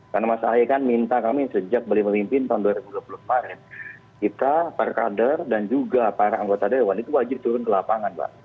karena mas a'hayi minta kami sejak beli memimpin tahun dua ribu dua puluh maret kita para kader dan juga para anggota dewan itu wajib turun ke lapangan mbak